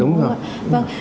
đúng không ạ